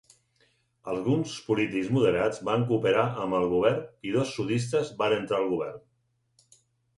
Alguns polítics moderats van cooperar amb el govern i dos sudistes van entrar al govern.